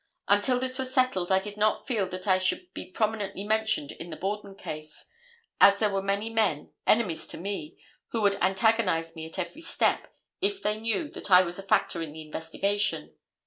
Until this was settled, I did not feel that I should be prominently mentioned in the Borden case, as there were many men, enemies to me, who would antagonize me at every step if they knew that I was a factor in the investigation.